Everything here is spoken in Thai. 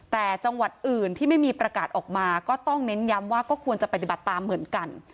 แต่จังหวัดอื่นที่ไม่มีประกาศออกมาก็ต้องเน้นย้ำว่าก็ควรจะปฏิบัติตามเหมือนกัน